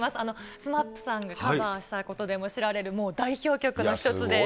ＳＭＡＰさんがカバーしたことでも知られるもう代表曲の一つです